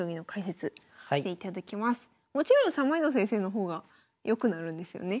もちろん三枚堂先生の方が良くなるんですよね？